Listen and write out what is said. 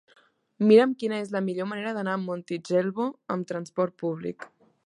Mira'm quina és la millor manera d'anar a Montitxelvo amb transport públic.